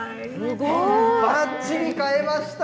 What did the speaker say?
ばっちり買えました。